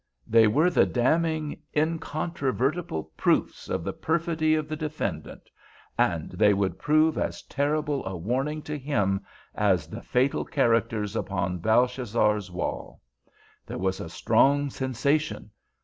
They were the damning, incontrovertible proofs of the perfidy of the defendant. And they would prove as terrible a warning to him as the fatal characters upon Belshazzar's wall. There was a strong sensation.